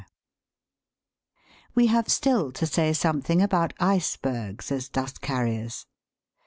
We have still to say something about icebergs as dust, carriers.